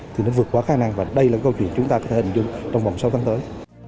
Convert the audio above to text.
thì nó vượt qua khả năng và đây là câu chuyện chúng ta có thể hình dung trong vòng sáu tháng tới